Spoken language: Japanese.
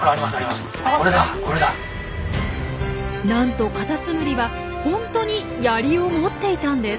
なんとカタツムリはホントにヤリを持っていたんです。